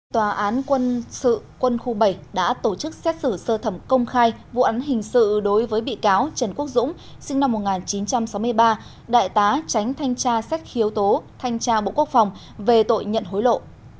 tòa án quân sự quân khu bảy đã tổ chức xét xử sơ thẩm công khai vụ án hình sự đối với bị cáo trần quốc dũng sinh năm một nghìn chín trăm sáu mươi ba đại tá tránh thanh tra xét khiếu tố thanh tra bộ quốc phòng về tội nhận hối lộ